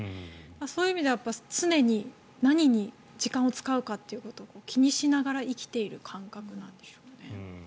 そういう意味では常に何に時間を使うかを気にしながら生きている感覚なんでしょうね。